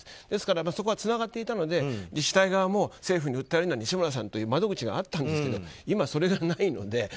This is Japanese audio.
ですから、そこはつながっていたので自治体側も政府に訴えるなら西村さんという窓口があったんですけど今、それがないので。